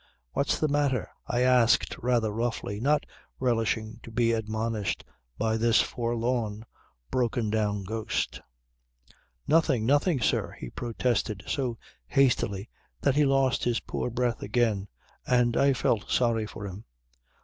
"What's the matter?" I asked rather roughly, not relishing to be admonished by this forlorn broken down ghost. "Nothing! Nothing, sir," he protested so hastily that he lost his poor breath again and I felt sorry for him.